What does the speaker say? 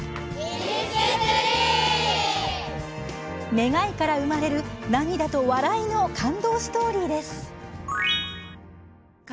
願いから生まれる涙と笑いの感動ストーリーです。